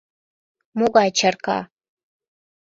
— Могай чарка?